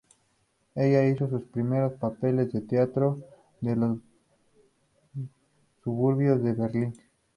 Ella hizo sus primeros papeles en teatros de los suburbios de Berlín.